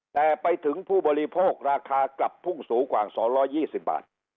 แต่ไปถึงผู้บริโภคราคากลับพุ่งสูงกว่าสองร้อยยี่สิบบาท